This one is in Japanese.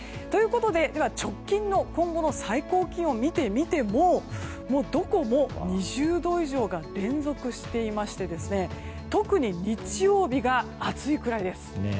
ということで、直近の今後の最高気温を見てみてももう、どこも２０度以上が連続していまして特に日曜日が暑いくらいです。